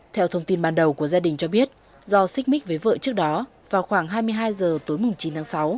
theo thông tin ban đầu của gia đình cho biết do xích mích với vợ trước đó vào khoảng hai mươi hai h tối chín tháng sáu